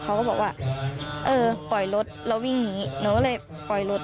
เขาก็บอกว่าเออปล่อยรถแล้ววิ่งหนีหนูก็เลยปล่อยรถ